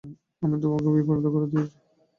আমি তোমাকে বিভ্রান্ত করে দিয়েছি।